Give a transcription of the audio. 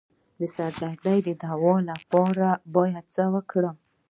د سر درد د دوام لپاره باید څه وکړم؟